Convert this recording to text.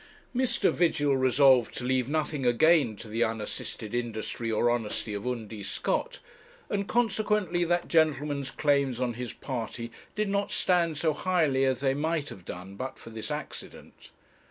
Mr. Vigil resolved to leave nothing again to the unassisted industry or honesty of Undy Scott, and consequently that gentleman's claims on his party did not stand so highly as they might have done but for this accident.